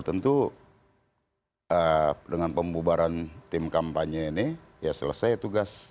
tentu dengan pembubaran tim kampanye ini ya selesai tugas